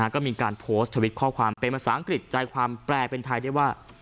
ก็มีการโพสต์ทวิตข้อความเป็นภาษาอังกฤษใจความแปลเป็นไทยได้ว่า